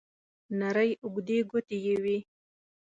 نرۍ اوږدې ګوتې یې وې.